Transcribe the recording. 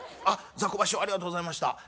「あっざこば師匠ありがとうございました。